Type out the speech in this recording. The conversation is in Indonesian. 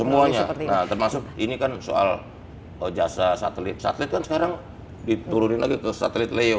semuanya nah termasuk ini kan soal jasa satelit satelit kan sekarang diturunin lagi ke satelit leo